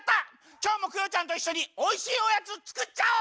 きょうもクヨちゃんといっしょにおいしいおやつつくっちゃおう！